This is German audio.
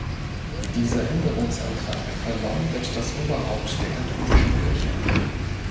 Dieser Änderungsantrag verleumdet das Oberhaupt der katholischen Kirche.